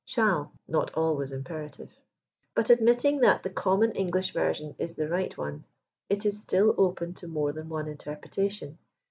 "shall" not always imperative* But admitting that the common English versiod is the right one, it is still open to more than one interpH^etation.